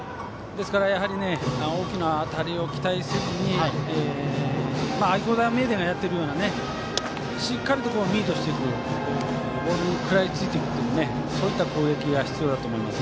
ですから大きな当たりを期待せずに愛工大名電がやっているようなしっかりミートしていくボールに食らいついていくそういった攻撃が必要だと思います。